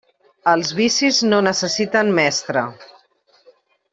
Els vicis no necessiten mestre.